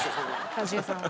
一茂さんは。